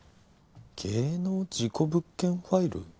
「芸能事故物件ファイル」？